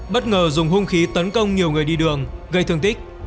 bất ngờ dùng hung khí tấn công nhiều người đi đường gây thương tích